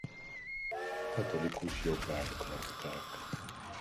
Katolikus jobbágyok lakták.